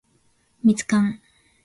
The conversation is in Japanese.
蜜柑